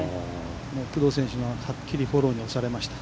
工藤選手ははっきりフォローに押されました。